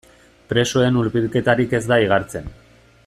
Presoen hurbilketarik ez da igartzen.